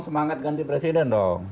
semangat ganti presiden dong